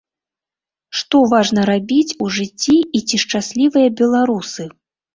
Што важна рабіць у жыцці і ці шчаслівыя беларусы?